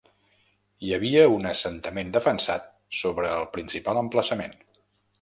Hi havia un assentament defensat sobre el principal emplaçament.